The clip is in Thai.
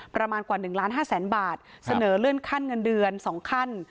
ประมาณกว่า๑ล้าน๕แสนบาทเสนอเลื่อนขั้นเงินเดือน๒ขั้น